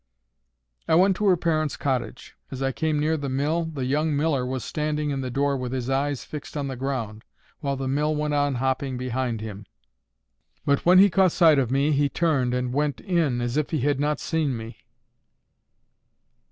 I went to her parents' cottage. As I came near the mill, the young miller was standing in the door with his eyes fixed on the ground, while the mill went on hopping behind him. But when he caught sight of me, he turned, and went in, as if he had not seen me.